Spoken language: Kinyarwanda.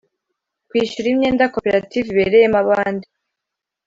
Kwishyura imyenda koperative ibereyemo abandi